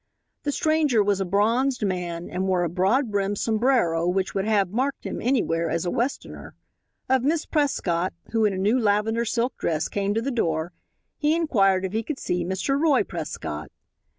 The stranger was a bronzed man and wore a broad brimmed sombrero which would have marked him anywhere as a Westerner. Of Miss Prescott, who, in a new lavender silk dress, came to the door, he inquired if he could see Mr. Roy Prescott.